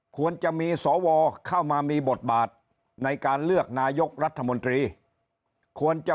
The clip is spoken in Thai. ควรจะมีสวเข้ามามีบทบาทในการเลือกนายกรัฐมนตรีควรจะ